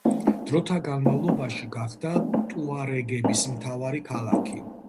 დროთა განმავლობაში გახდა ტუარეგების მთავარი ქალაქი.